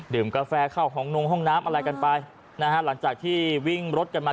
กาแฟเข้าห้องนงห้องน้ำอะไรกันไปนะฮะหลังจากที่วิ่งรถกันมา